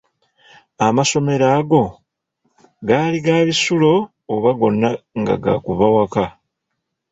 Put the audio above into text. "Amasomero ago, gaali ga bisulo oba gonna nga ga kuva waka?"